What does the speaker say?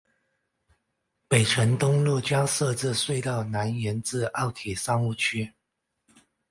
北辰东路将设置隧道南延至奥体商务区。